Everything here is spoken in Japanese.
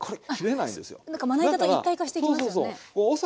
なんかまな板と一体化していきますよね。